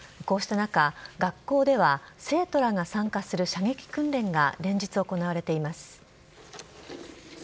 こうした中、学校では生徒らが参加する射撃訓練が連日行われています。